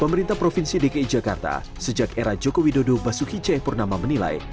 pemerintah provinsi dki jakarta sejak era joko widodo basuhi jai purnama menilai